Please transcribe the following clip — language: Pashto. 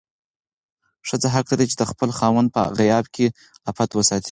ښځه حق لري چې د خپل خاوند په غياب کې عفت وساتي.